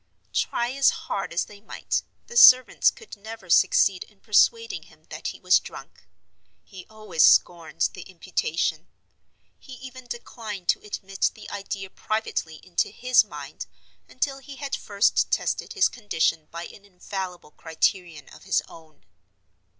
Try as hard as they might, the servants could never succeed in persuading him that he was drunk; he always scorned the imputation. He even declined to admit the idea privately into his mind, until he had first tested his condition by an infallible criterion of his own.